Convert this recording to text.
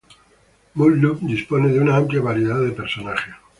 Muv-Luv dispone de una amplia variedad de personajes.